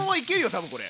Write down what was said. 多分これ。